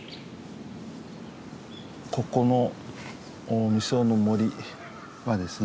ここの実生の森はですね